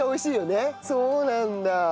そうなんだ！